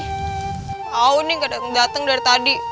aku tahu nih gak datang dari tadi